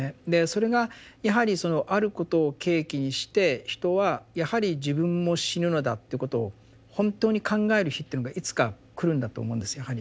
でそれがやはりそのあることを契機にして人はやはり自分も死ぬのだということを本当に考える日っていうのがいつか来るんだと思うんですよ